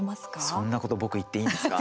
そんなこと僕言っていいんですか？